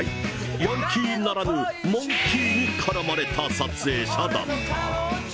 ヤンキーならぬモンキーに絡まれた撮影者だった。